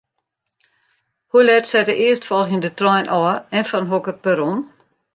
Hoe let set de earstfolgjende trein ôf en fan hokker perron?